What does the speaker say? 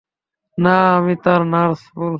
না, আমি তার নার্স বলছি।